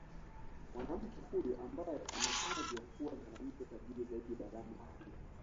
Mwanamke huyo ambaye ametajwa kuwa mwanamke tajiri zaidi barani Afrika